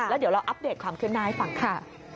แล้วเดี๋ยวเราอัปเดตความคิดมายฟังค่ะ